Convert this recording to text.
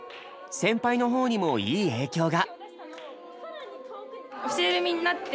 先輩の方にもいい影響が。